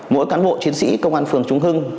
mỗi cán bộ chiến sĩ công an phường trung hưng